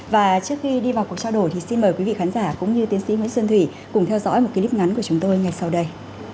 và trước khi đi vào cuộc trao đổi thì xin mời quý vị khán giả cũng như tiến sĩ nguyễn xuân thủy cùng theo dõi một clip ngắn của chúng tôi ngay sau đây